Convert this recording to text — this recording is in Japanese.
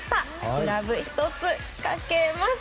グラブ１つかけます。